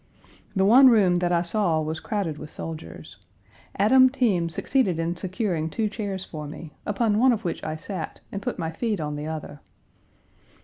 The one room that I saw was crowded with soldiers. Adam Team succeeded in securing two chairs for me, upon one of which I sat and put my feet on the other.